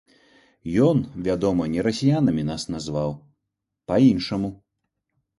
Ён, вядома, не расіянамі нас назваў, па-іншаму.